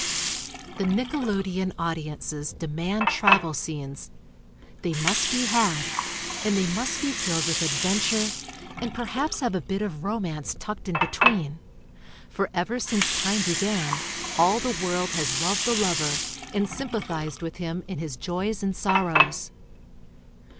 The nickelodeon audiences demand travel scenes. They must be had, And they must be filled with adventure and perhaps have a bit of romance tucked in between — for ever since time began all the world has loved the lover and sympathized with him in his joys and sorrows.